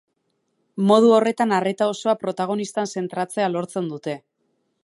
Modu horretan arreta osoa protagonistan zentratzea lortzen dute.